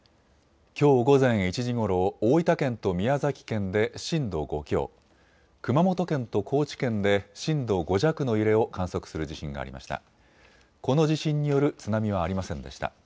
きょう午前１時ごろ、大分県と宮崎県で震度５強、熊本県と高知県で震度５弱の揺れを観測する地震がありました。